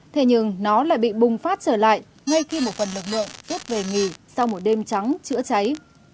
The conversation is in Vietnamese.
thế nhưng nó lại bị bùng phát trở lại ngay khi một phần lực lượng rút về nghỉ sau một đêm trắng chữa cháy